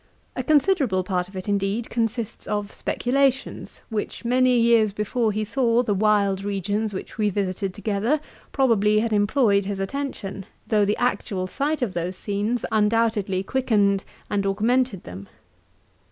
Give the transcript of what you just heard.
A considerable part of it, indeed, consists of speculations, which many years before he saw the wild regions which we visited together, probably had employed his attention, though the actual sight of those scenes undoubtedly quickened and augmented them.